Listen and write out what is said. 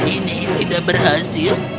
ini tidak berhasil